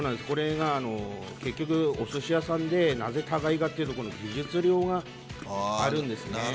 これが結局おすし屋さんでなぜ高いかっていうとこの技術料があるんですね。